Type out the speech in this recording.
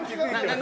何？